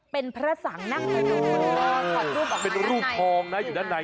เป็นพระสังภรรย์นั่งเงาะถอดรูปออกมาด้านใน